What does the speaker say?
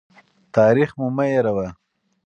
تاریخ مو مه هېروه.